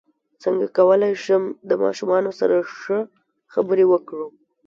څنګه کولی شم د ماشومانو سره ښه خبرې وکړم